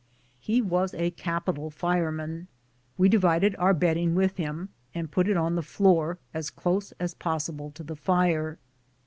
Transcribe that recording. He was a capital fireman ; we divided our bedding with him, and put it on the floor, as close as possible to the fire.